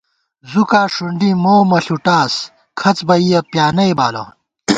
زُوکا ݭُونڈِی مومہ ݪُٹاس، کھڅ بئیَہ پیانئ بالہ